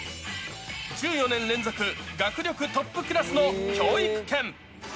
１４年連続、学力トップクラスの教育県。